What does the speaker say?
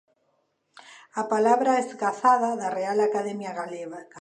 A palabra esgazada, da Real Academia Galega.